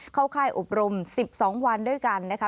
ค่ายอบรม๑๒วันด้วยกันนะคะ